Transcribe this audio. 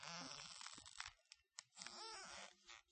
А между тем ты еще не увидел и сотой доли того очарования